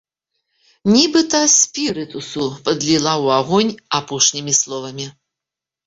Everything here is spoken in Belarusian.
Нібыта спірытусу падліла ў агонь апошнімі словамі.